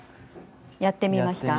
やってみました？